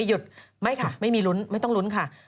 หยุดไม่ค่ะไม่มีลุ้นไม่ต้องลุ้นค่ะ